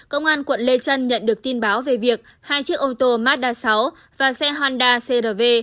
công an quận lê trân nhận được tin báo về việc hai chiếc ô tô mazda sáu và xe honda crv